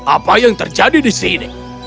apa yang terjadi di sini